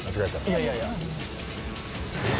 いやいやいや。